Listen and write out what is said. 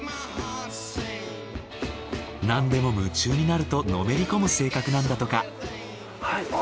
なんでも夢中になるとのめり込む性格なんだとか。